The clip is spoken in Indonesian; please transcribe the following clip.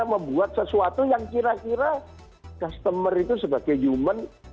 membuat sesuatu yang kira kira customer itu sebagai human